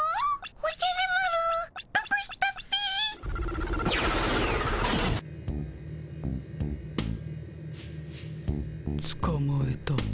おじゃる丸どこ行ったっピ？つかまえた。